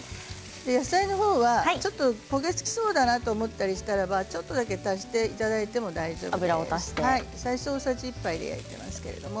野菜は焦げ付きそうだなと思ったらちょっとだけ足していただいても大丈夫です。